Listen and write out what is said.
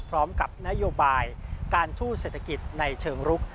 พร้อมกับนโยบายการสู้เศรษฐกิจในเชิงรุก